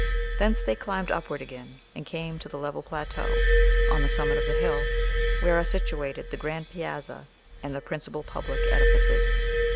Thence they climbed upward again, and came to the level plateau, on the summit of the hill, where are situated the grand piazza and the principal public edifices.